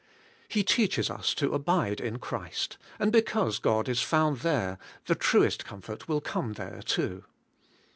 He teaches us to abide in Christ; and because God is found there, the truest comfort will come there too.